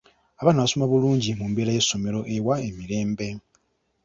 Abaana basoma bulungi mu mbeera y'essomero ewa emirembe.